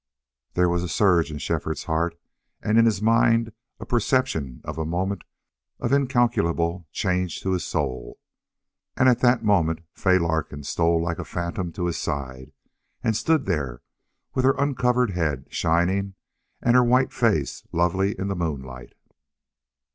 There was a surge in Shefford's heart and in his mind a perception of a moment of incalculable change to his soul. And at that moment Fay Larkin stole like a phantom to his side and stood there with her uncovered head shining and her white face lovely in the moonlight.